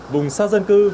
vùng xa dân cư